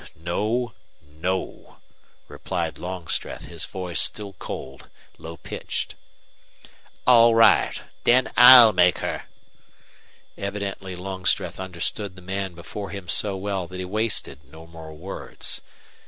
"No. No," replied Longstreth, his voice still cold, low pitched. "All right. Then I'll make her." Evidently Longstreth understood the man before him so well that he wasted no more words.